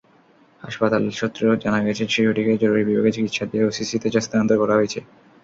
হাসপাতাল সূত্রে জানা গেছে, শিশুটিকে জরুরি বিভাগে চিকিৎসা দিয়ে ওসিসিতে স্থানান্তর করা হয়েছে।